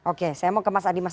oke saya mau ke mas adi mas